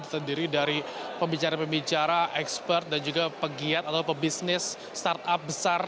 terdiri dari pembicara pembicara ekspert dan juga pegiat atau pebisnis startup besar